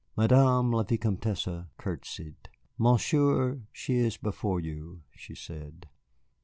Madame la Vicomtesse courtesied. "Monsieur, she is before you," she said.